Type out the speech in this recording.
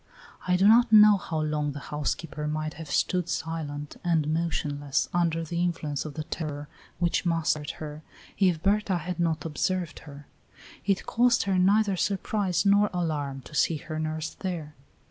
I do not know how long the housekeeper might have stood silent and motionless, under the influence of the terror which mastered her, if Berta had not observed her. It caused her neither surprise nor alarm to see her nurse there.